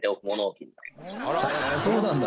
そうなんだ。